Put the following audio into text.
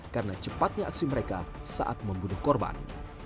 karena cepatnya aksi mereka saat membunuh korban